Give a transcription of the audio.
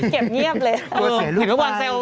เกลียดเงียบเลย